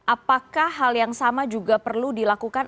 apakah hal yang sama juga perlu dilakukan